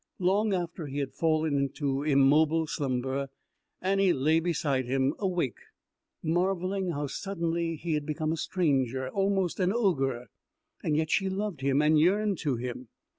Long after he had fallen into immobile slumber Annie lay beside him, awake, marvelling how suddenly he had become a stranger, almost an ogre. Yet she loved him and yearned to him.